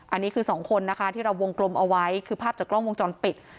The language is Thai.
อันนี้คือสองคนนะคะที่เราวงกลมเอาไว้คือภาพจากกล้องวงจรปิด